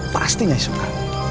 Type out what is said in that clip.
pasti nyai suka